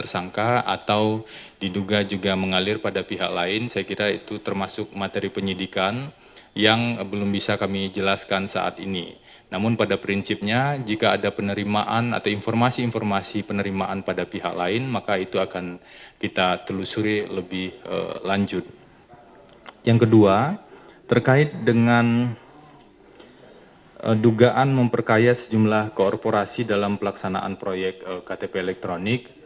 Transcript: yang kedua terkait dengan dugaan memperkaya sejumlah korporasi dalam pelaksanaan proyek ktp elektronik